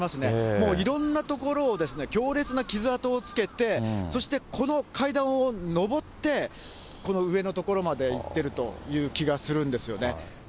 もういろんな所を強烈な傷痕をつけて、そして、この階段を上って、この上の所まで行ってるという気がするんですよね。